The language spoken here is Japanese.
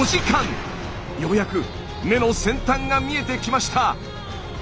ようやく根の先端が見えてきました。